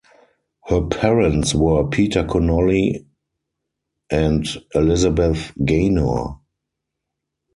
Her parents were Peter Connolly and Elizabeth Gaynor.